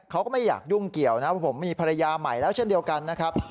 เขาก็ไม่อยากยุ่งเกี่ยวนะครับเพราะผมมีภรรยาใหม่แล้วเช่นเดียวกันนะครับ